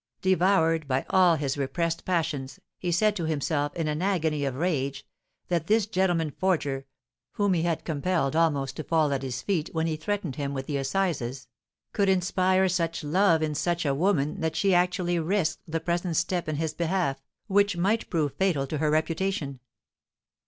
Devoured by all his repressed passions, he said to himself, in an agony of rage, that this gentleman forger, whom he had compelled almost to fall at his feet when he threatened him with the assizes, could inspire such love in such a woman that she actually risked the present step in his behalf, which might prove fatal to her reputation.